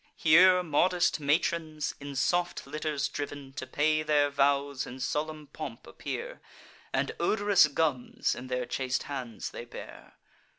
Here modest matrons, in soft litters driv'n, To pay their vows in solemn pomp appear, And odorous gums in their chaste hands they bear.